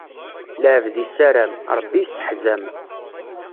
Lɛebd issaram, Ṛebbi isseḥzam.